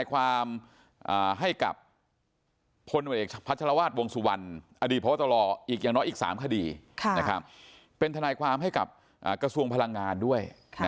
อย่างน้อยอีก๓คดีเป็นธนายความให้กับกระทรวงพลังงานด้วย